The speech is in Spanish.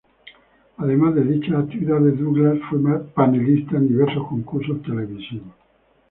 Además de dichas actividades, Douglas fue panelista en diversos concursos televisivos.